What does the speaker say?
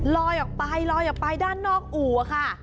ลอยออกไปด้านนอกอู่อะค่ะ